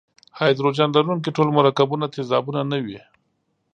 هایدروجن لرونکي ټول مرکبونه تیزابونه نه وي.